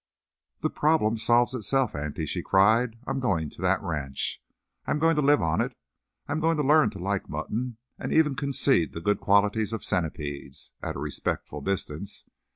"The problem solves itself, auntie," she cried. "I'm going to that ranch. I'm going to live on it. I'm going to learn to like mutton, and even concede the good qualities of centipedes—at a respectful distance.